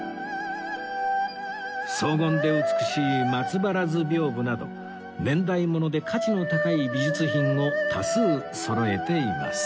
荘厳で美しい松原図屏風など年代物で価値の高い美術品を多数そろえています